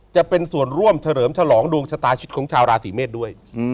จะเป็นส่วนร่วมเฉลิมฉลองดวงชะตาชีวิตของชาวราศีเมษด้วย